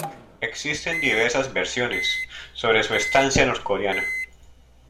Existen diversas versiones sobre su estancia norcoreana.